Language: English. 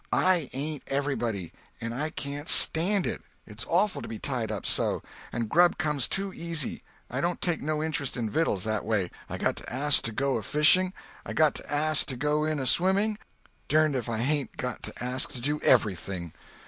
I ain't everybody, and I can't stand it. It's awful to be tied up so. And grub comes too easy—I don't take no interest in vittles, that way. I got to ask to go a fishing; I got to ask to go in a swimming—dern'd if I hain't got to ask to do everything.